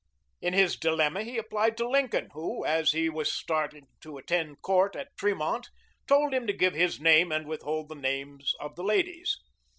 In his dilemma he applied to Lincoln, who, as he was starting to attend court at Tremont, told him to give his name and withhold the names of the ladies.